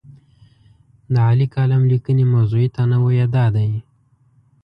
د عالي کالم لیکنې موضوعي تنوع یې دا دی.